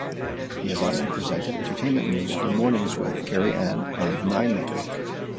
He has also presented entertainment news for Mornings with Kerri-Anne on the Nine Network.